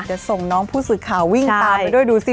เดี๋ยวส่งน้องผู้สื่อข่าววิ่งตามไปด้วยดูสิ